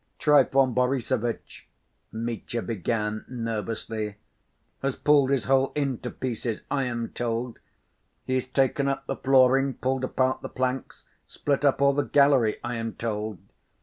"Trifon Borissovitch," Mitya began nervously, "has pulled his whole inn to pieces, I am told. He's taken up the flooring, pulled apart the planks, split up all the gallery, I am told.